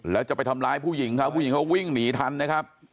แล้วจะไปทำร้ายผู้หญิงเขาผู้หญิงเขาวิ่งหนีทันนะครับ